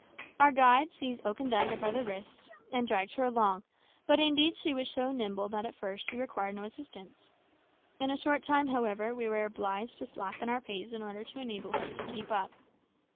Our guide seized Okandaga by the wrist and dragged her along; but indeed she was so nimble that at first she required no assistance. In a short time, however, we were obliged to slacken our pace in order to enable her to keep up.